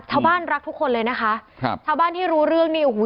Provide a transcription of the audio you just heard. ชาวบ้านที่รู้เรื่องนี่อู้หู